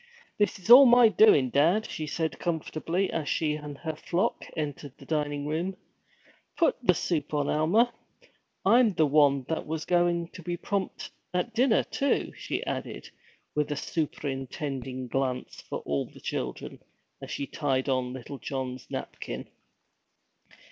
'This is all my doin', dad,' said she comfortably, as she and her flock entered the dining room. 'Put the soup on, Alma. I'm the one that was goin' to be prompt at dinner, too!' she added, with a superintending glance for all the children, as she tied on little John's napkin.